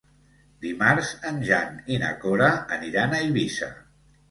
Dimarts en Jan i na Cora aniran a Eivissa.